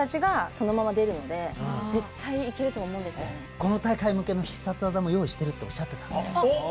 この大会向けの必殺技も用意してるっておっしゃってたんで。